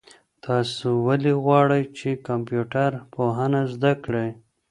تاسو ولې غواړئ چي کمپيوټر پوهنه زده کړئ؟